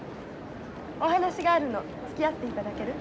お話があるのつきあっていただける？